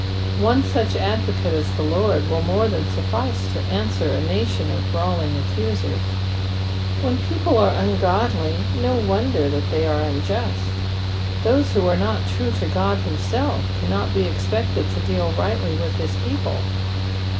'' One such advocate as the Lord will more than suffice to answer a nation of brawling accusers. When people are ungodly, no wonder that they are unjust ; those who are not true to God himself cannot be expected to deal rightly with his people.